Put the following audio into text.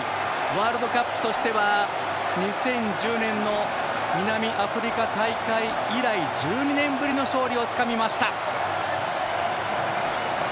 ワールドカップとしては２０１０年の南アフリカ大会以来１２年ぶりの勝利をつかみました。